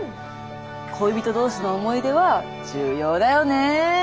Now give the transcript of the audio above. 恋人同士の思い出は重要だよね。